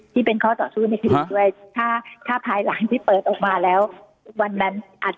ที่เป็นข้อต่อสู้ในคดีด้วยถ้าถ้าภายหลังที่เปิดออกมาแล้ววันนั้นอาจจะ